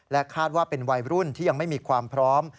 คาดว่าเป็นวัยรุ่นที่ยังไม่มีความพร้อม